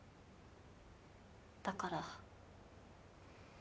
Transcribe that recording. だから。